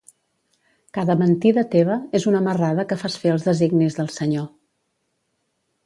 Cada mentida teva és una marrada que fas fer als designis del Senyor.